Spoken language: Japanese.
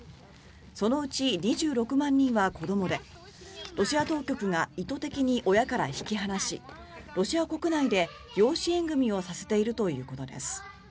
そのうち２６万人は子どもでロシア当局が意図的に親から引き離しロシア国内で養子縁組をさせているということです。